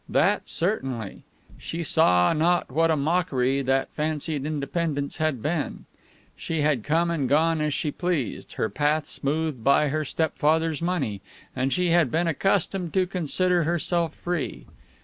That, certainly. She saw now what a mockery that fancied independence had been. She had come and gone as she pleased, her path smoothed by her stepfather's money, and she had been accustomed to consider herself free.